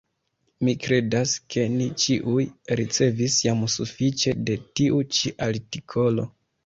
Mi kredas, ke ni ĉiuj ricevis jam sufiĉe de tiu ĉi artikolo.